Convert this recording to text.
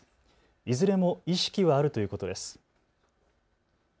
いずれも意識はあるということです。